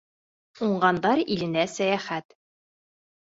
Уңғандар иленә сәйәхәт